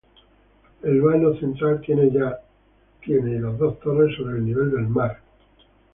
El vano central tiene y las dos torres sobre el nivel del mar.